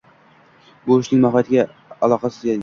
Bu ishning mohiyatiga aloqasiz gap.